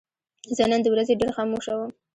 زه نن د ورځې ډېر خاموشه وم.